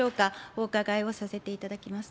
お伺いをさせていただきます。